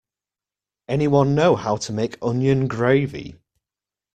Anyone know how to make onion gravy?